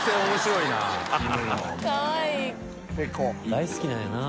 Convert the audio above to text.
大好きなんやな。